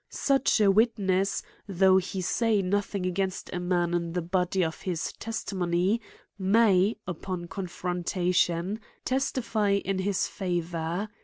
Such a witness, though he say nothing against a man in the body of his testimony, may, upon confrontation, testify in his favor.